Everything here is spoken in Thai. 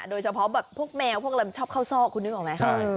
โดยเฉพาะแมวพวกเราชอบเข้าซอกคุณนึกออกไหมครับ